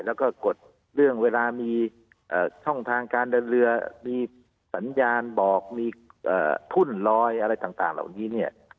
แล้วก็กดเรื่องเวลามีช่องทางการเดินเรือมีสัญญาณบอกมีทุ่นลอยอะไรต่างเหล่านี้เนี่ย